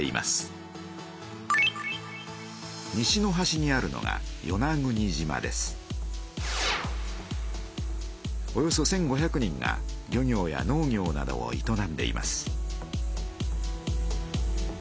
西のはしにあるのがおよそ１，５００人が漁業や農業などをいとなんでいます。